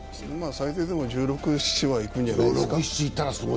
最低でも１６１７はいくんじゃないですか。